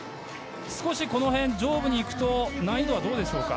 少し上部に行くと難易度はどうでしょうか？